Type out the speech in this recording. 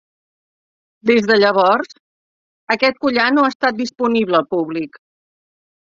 Des de llavors, aquest collar no ha estat disponible al públic.